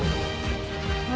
何？